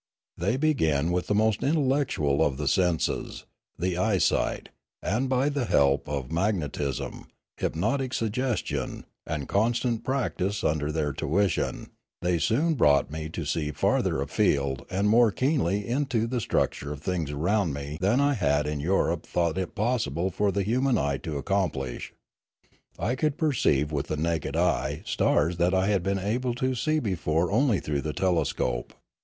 They began with the most intellectual of the senses, the eyesight, and by the help of magnetism, hypnotic suggestion, and con stant practice under their tuition, they soon brought me to see farther afield and more keenly into the struc ture of things around me than I had in Europe thought it possible for the human eye to accomplish. I could perceive with the naked eye stars that I had been able to see before only through the telescope.